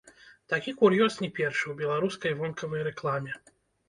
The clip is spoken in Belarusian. Такі кур'ёз не першы ў беларускай вонкавай рэкламе.